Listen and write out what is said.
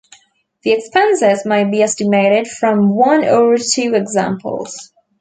The expenses may be estimated from one or two examples.